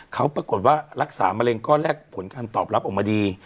เขาปรากฏว่ารักษามะเร็งก้อนแรกผลการตอบรับออกมาดี